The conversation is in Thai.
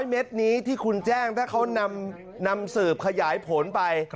เม็ดนี้ที่คุณแจ้งถ้าเขานำสืบขยายผลไป